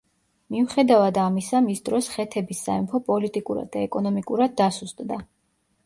მიუხედავად ამისა მის დროს ხეთების სამეფო პოლიტიკურად და ეკონომიკურად დასუსტდა.